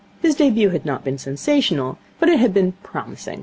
His debut had not been sensational, but it had been promising.